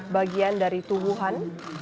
bagian dari tubuhan